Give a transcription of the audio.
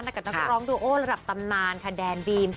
แต่กับนักการร้องดูระดับตำนานค่ะแดนบีม